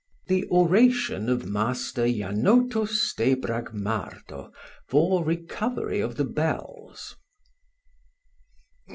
The oration of Master Janotus de Bragmardo for recovery of the bells.